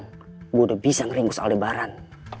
saya sudah bisa mencari aldebaran